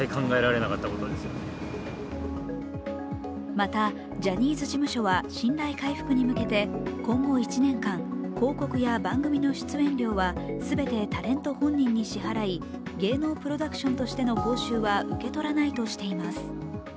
またジャニーズ事務所は信頼回復に向けて今後１年間、広告や番組の出演料は全てタレント本人に支払い、芸能プロダクションとしての報酬は受け取らないとしています。